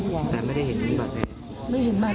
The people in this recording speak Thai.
แต่ไม่ได้เห็นบาดแผล